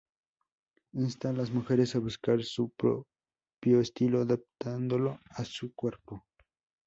Insta a las mujeres a buscar su propio estilo adaptándolo a su cuerpo.